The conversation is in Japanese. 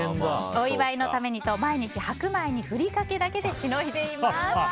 お祝いのためにと毎日、白米にふりかけだけでしのいでいます。